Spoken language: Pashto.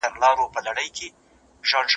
زه هره ورځ کتابونه لولم!